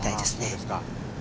そうですか。